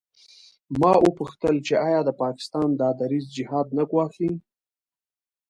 ما وپوښتل چې آیا د پاکستان دا دریځ جهاد نه ګواښي.